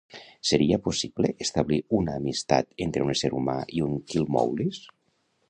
Seria possible establir una amistat entre un ésser humà i un Killmoulis?